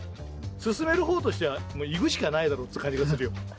薦める方としては行くしかないだろって感じがする。